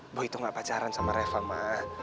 ma boy tuh gak pacaran sama reva ma